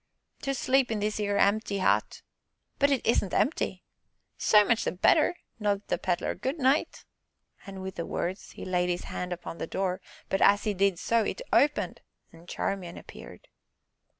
"To sleep in this 'ere empty 'ut." "But it isn't empty!" "So much the better," nodded the Pedler, "good night!" and, with the words, he laid his hand upon the door, but, as he did so, it opened, and Charmian appeared.